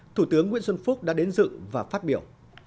thủ tướng nguyễn xuân phúc đã đến dự và phát biểu